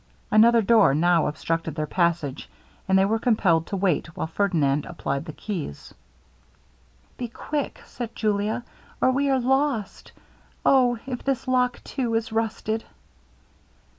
Another door now obstructed their passage; and they were compelled to wait while Ferdinand applied the keys. 'Be quick,' said Julia, 'or we are lost. O! if this lock too is rusted!'